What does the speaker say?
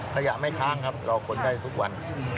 ขยะไม่ค้างครับเราขนได้ทุกวัน